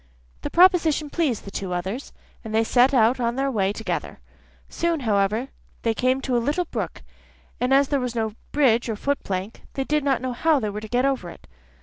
The proposition pleased the two others, and they set out on their way together. Soon, however, they came to a little brook, and as there was no bridge or foot plank, they did not know how they were to get over it.